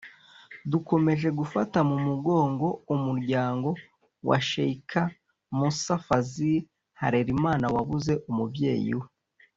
dukomeje gufata mu mugongo umuryango wa Sheikh Musa Fazil Harerimana wabuze umubyeyi we